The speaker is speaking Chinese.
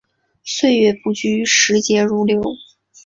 岁月不居，时节如流。